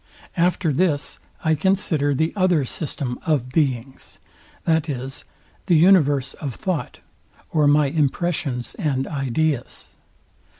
After this I consider the other system of beings, viz. the universe of thought, or my impressions and ideas.